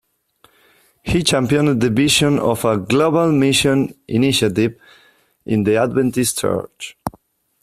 He championed the vision of a "Global Mission initiative" in the Adventist Church.